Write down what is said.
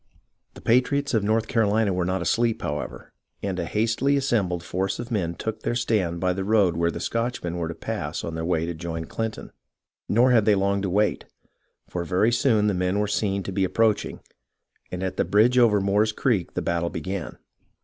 The patriots of North Carolina were not asleep, how ever, and a hastily assembled force of men took their stand by the road where the Scotchmen were to pass on their way to join Clinton. Nor had they long to wait, for very soon the men were seen to be approaching, and at the bridge over Moore's Creek the battle began.